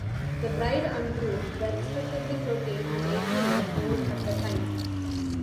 The bride and groom were respectively thirteen and eighteen years old at the time.